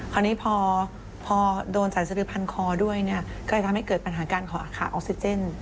คราวนี้พอโดนสายสะดือพันคอด้วยเนี่ยก็เลยทำให้เกิดปัญหาการขอขาออกซิเจน